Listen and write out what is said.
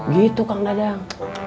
gitu kang dadang